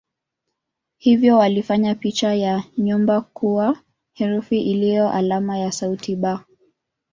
Hivyo walifanya picha ya nyumba kuwa herufi iliyo alama ya sauti "b".